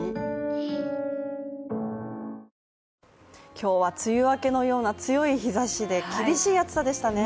今日は梅雨明けのような強い日ざしで厳しい暑さでしたね。